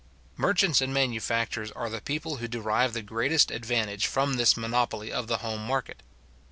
Merchants and manufacturers are the people who derive the greatest advantage from this monopoly of the home market.